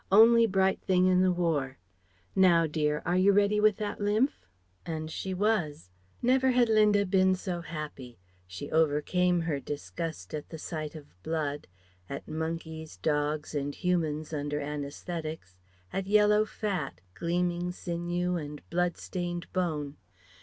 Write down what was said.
Only bright thing in the War. Now dear, are you ready with that lymph?" And she was. Never had Linda been so happy. She overcame her disgust at the sight of blood, at monkeys, dogs, and humans under anæsthetics, at yellow fat, gleaming sinew, and blood stained bone.